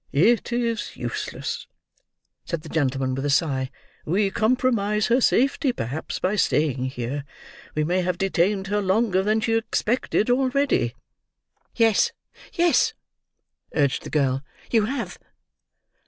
"It is useless," said the gentleman, with a sigh. "We compromise her safety, perhaps, by staying here. We may have detained her longer than she expected already." "Yes, yes," urged the girl. "You have."